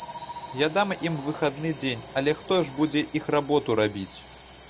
Я дам ім выхадны дзень, але хто ж будзе іх работу рабіць?